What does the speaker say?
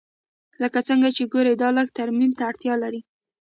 لکه څنګه چې ګورې دا لږ ترمیم ته اړتیا لري